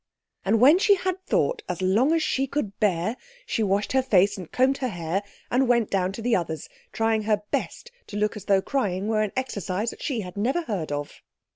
And when she had thought as long as she could bear she washed her face and combed her hair, and went down to the others, trying her best to look as though crying were an exercise she had never even heard of.